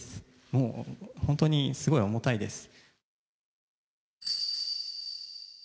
もう本当にすごい重たいです。